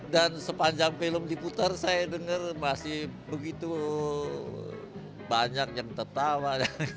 sepanjang film diputar saya dengar masih begitu banyak yang tertawa